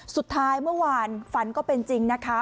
สุดท้ายเมื่อวานฝันก็เป็นจริงนะคะ